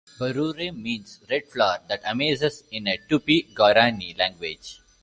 "Barueri" means "Red flower that amazes" in a Tupi-Guarani language.